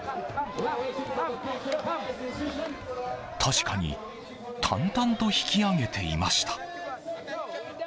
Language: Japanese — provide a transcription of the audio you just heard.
確かに淡々と引き揚げていました。